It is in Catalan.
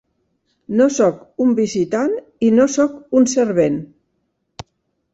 "No soc un visitant i no soc un servent.